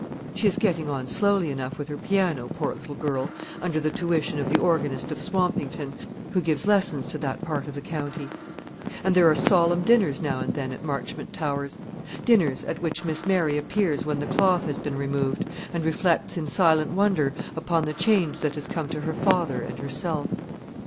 She is getting on slowly enough with her piano, poor little girl! under the tuition of the organist of Swampington, who gives lessons to that part of the county. And there are solemn dinners now and then at Marchmont Towers dinners at which Miss Mary appears when the cloth has been removed, and reflects in silent wonder upon the change that has come to her father and herself.